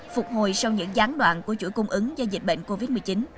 phục hồi sau những gián đoạn của chuỗi cung ứng do dịch bệnh covid một mươi chín